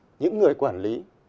có thể là những người quản lý